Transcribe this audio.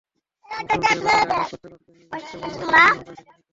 মুগুর দিয়ে বাটালি আঘাত করতে করতে নিবিষ্ট মনে ভাস্কর্যটি নির্মাণ করছে বিনিতা।